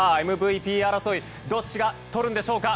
さあ、ＭＶＰ争いどっちがとるんでしょうか？